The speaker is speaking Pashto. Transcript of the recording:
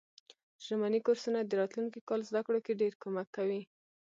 ژمني کورسونه د راتلونکي کال زده کړو کی ډیر کومک کوي.